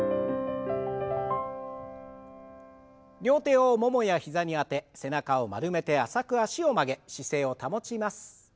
両手をももや膝にあて背中を丸めて浅く脚を曲げ姿勢を保ちます。